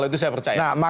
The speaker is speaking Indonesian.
itu saya percaya